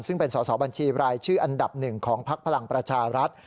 ซึ่งเป็นสอสอบัญชีรายชื่ออันดับหนึ่งของพักพลังประชารัฐ